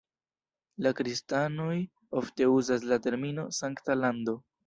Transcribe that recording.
La kristanoj ofte uzas la terminon "Sankta Lando".